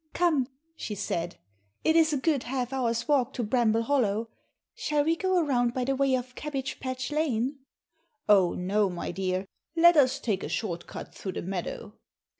"Come," she said, "it is a good half hour's walk to Bramble Hollow. Shall we go around by the way of Cabbage Patch Lane?" "Oh, no, my dear, let us take a short cut through the meadow."